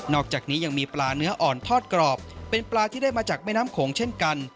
อกจากนี้ยังมีปลาเนื้ออ่อนทอดกรอบเป็นปลาที่ได้มาจากแม่น้ำโขงเช่นกัน